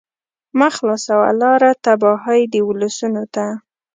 مه خلاصوه لاره تباهۍ د ولسونو ته